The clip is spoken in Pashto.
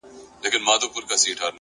پوهه د وېرې زنځیرونه ماتوي.